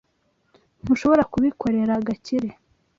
Ntushobora kubikorera Gakire.